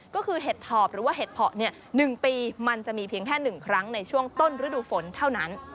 ก็คือเห็ดถอบหรือว่าเห็ดเพาะ๑ปีมันจะมีเพียงแค่๑ครั้งในช่วงต้นฤดูฝนเท่านั้น